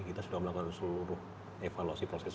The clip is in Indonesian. kita sudah melakukan seluruh evaluasi proses